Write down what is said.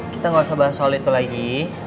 kita nggak usah bahas soal itu lagi